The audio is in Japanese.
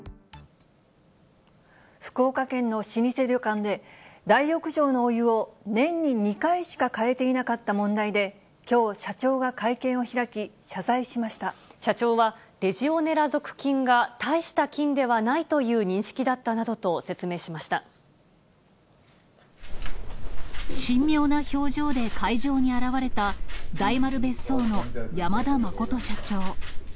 福岡県の老舗旅館で、大浴場のお湯を、年に２回しか替えていなかった問題で、きょう、社長が会見を開き、社長は、レジオネラ属菌が大した菌ではないという認識だったなどと説明し神妙な表情で会場に現れた、大丸別荘の山田真社長。